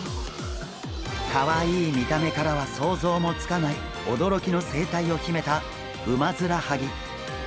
かわいい見た目からは想像もつかない驚きの生態を秘めたウマヅラハギ。